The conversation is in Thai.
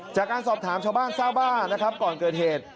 จากการสอบถามชาวบ้านซ่าวบ้านก่อนเกิดเหตุ